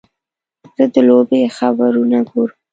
زه د لوبې خبرونه ګورم.